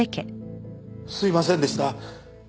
すいませんでした。